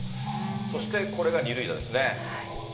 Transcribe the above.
そしてこれが２塁打ですね。